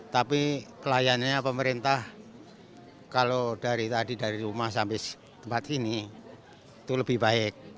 tapi kliennya pemerintah kalau dari tadi dari rumah sampai tempat ini itu lebih baik